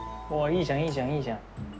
いいじゃんいいじゃんいいじゃん。